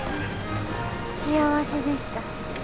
幸せでした。